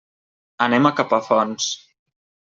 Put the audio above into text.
Anem a Capafonts.